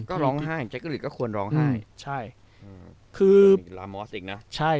ก็ร้องไห้แจ็คกินลิชก็ควรร้องไห้